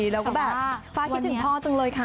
แล้วก็แบบฟ้าคิดถึงพ่อจังเลยค่ะ